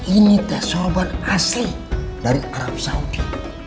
ini teh sorban asli dari arab saudi